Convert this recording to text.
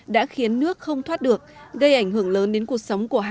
đã khiến nước không thoát được gây ảnh hưởng lớn đến cuộc sống của hành sơn